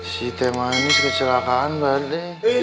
si temanis kecelakaan banget deh